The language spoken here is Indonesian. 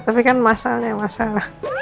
tapi kan masalahnya masalah